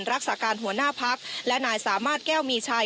รักษาการหัวหน้าพักและนายสามารถแก้วมีชัย